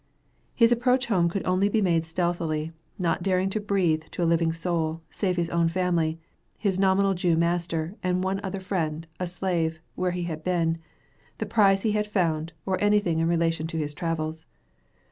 His approach home could only be made stealthily, not daring to breathe to a living soul, save his own family, his nominal Jew master, and one other friend a slave where he had been, the prize he had found, or anything in relation to his travels.